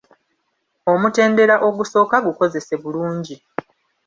Omutendera ogusooka gukozese bulungi.